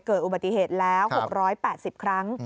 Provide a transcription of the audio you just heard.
เกิดอุบัติเหตุแล้ว๖๘๐ครั้ง